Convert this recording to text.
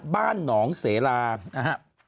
บ้านหนองเสรานะฮะ